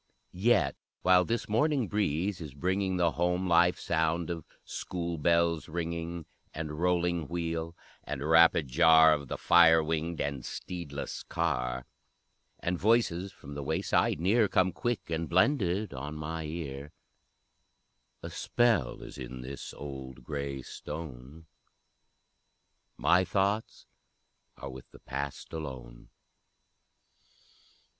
Yet, while this morning breeze is bringing The home life sound of school bells ringing, And rolling wheel, and rapid jar Of the fire winged and steedless car, And voices from the wayside near Come quick and blended on my ear, A spell is in this old gray stone, My thoughts are with the Past alone!